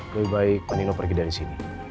lebih baik kunino pergi dari sini